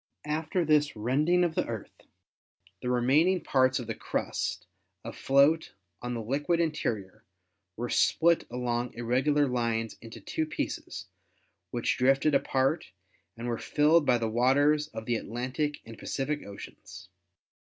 After this rending of the Earth the remaining parts of the crust, afloat on the liquid interior, were split along irregular lines into two pieces, which drifted apart and were filled by the waters of the Atlantic and Pacific Oceans.